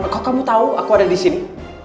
kok kamu tahu aku ada di sini